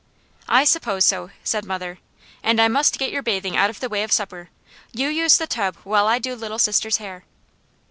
"I suppose so," said mother. "And I must get your bathing out of the way of supper. You use the tub while I do Little Sister's hair."